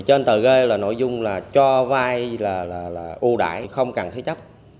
trên tờ gây là nội dung là cho vay là ưu đại không cần thế chấp